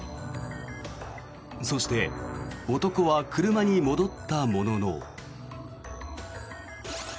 そして、男は車に戻ったものの。